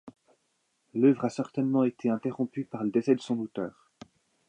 L’œuvre a certainement été interrompue par le décès de son auteur.